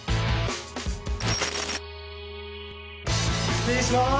失礼しまーす。